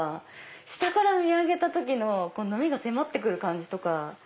下から見上げた時の波が迫って来る感じとか。